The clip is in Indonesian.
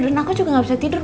dan aku juga gak bisa tidur